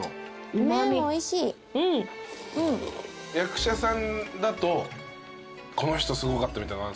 役者さんだとこの人すごかったみたいのあるんすか？